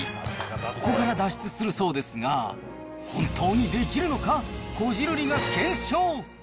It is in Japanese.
ここから脱出するそうですが、本当にできるのか、こじるりが検証。